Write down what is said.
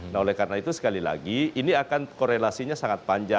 nah oleh karena itu sekali lagi ini akan korelasinya sangat panjang